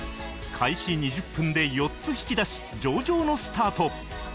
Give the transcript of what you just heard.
開始２０分で４つ引き出し上々のスタート